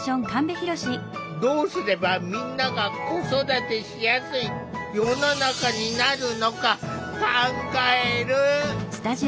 どうすればみんなが子育てしやすい世の中になるのか考える。